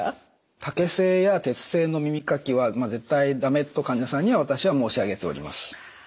竹製や鉄製の耳かきは絶対だめと患者さんには私は申し上げております。